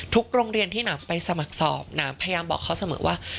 ทุกโรงเรียนที่น้ำไปสมัครสอบน้ำพยายามบอกเขาเสมอว่า